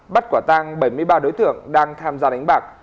bắt quả tang bảy mươi ba đối tượng đang tham gia đánh bạc